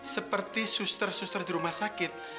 seperti suster suster di rumah sakit